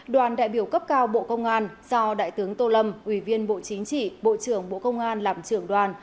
đoàn đại biểu cấp cao bộ công an do đại tướng tô lâm ủy viên bộ chính trị bộ trưởng bộ công an làm trưởng đoàn